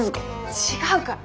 違うから！